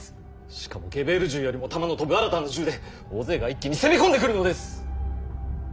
しかもゲベール銃よりも弾の飛ぶ新たな銃で大勢が一気に攻め込んでくるのです！